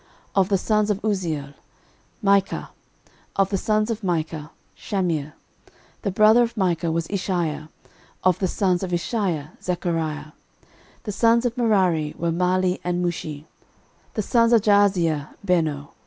13:024:024 Of the sons of Uzziel; Michah: of the sons of Michah; Shamir. 13:024:025 The brother of Michah was Isshiah: of the sons of Isshiah; Zechariah. 13:024:026 The sons of Merari were Mahli and Mushi: the sons of Jaaziah; Beno.